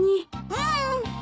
うん。